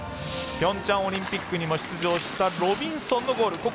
ピョンチャンオリンピックにも出場したロビンソンのゴール。